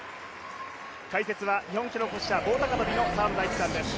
解説は日本記録保持者、棒高跳の澤野大地さんです。